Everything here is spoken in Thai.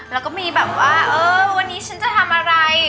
แล้วก็มีแบบว่าเออวันนี้ฉันจะทำอะไร